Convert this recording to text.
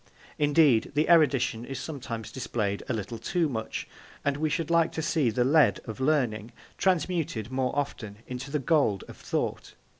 Indeed, the erudition is sometimes displayed a little too much, and we should like to see the lead of learning transmuted more often into the gold of thought.